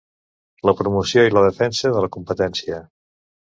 La promoció i la defensa de la competència.